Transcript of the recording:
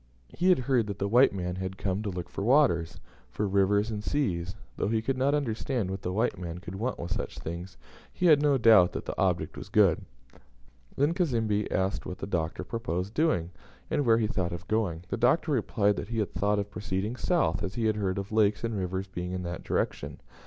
He had heard that the white man had come to look for waters, for rivers, and seas; though he could not understand what the white man could want with such things, he had no doubt that the object was good. Then Cazembe asked what the Doctor proposed doing, and where he thought of going. The Doctor replied that he had thought of proceeding south, as he had heard of lakes and rivers being in that direction.